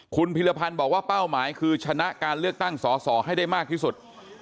คุณพิรพันธ์บอกว่าเป้าหมายคือชนะการเลือกตั้งสอสอให้ได้มากที่สุด